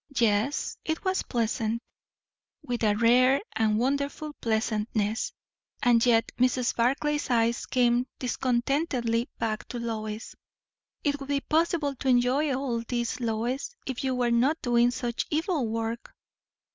Yes, it was pleasant, with a rare and wonderful pleasantness; and yet Mrs. Barclay's eyes came discontentedly back to Lois. "It would be possible to enjoy all this, Lois, if you were not doing such evil work."